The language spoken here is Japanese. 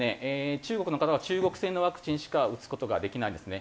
中国の方は中国製のワクチンしか打つ事ができないですね。